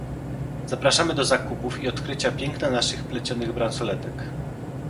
Zapraszamy do zakupów i odkrycia piękna naszych plecionych bransoletek!